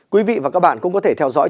quý vị và các bạn cũng có thể theo dõi